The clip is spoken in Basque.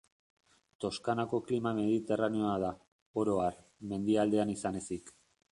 Toscanako klima mediterraneoa da, oro har, mendialdean izan ezik.